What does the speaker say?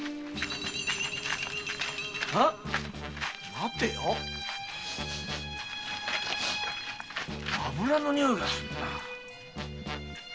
まてよ油の匂いがするな。